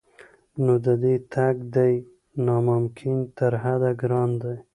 نو د دې تګ دی نا ممکن تر حده ګران دی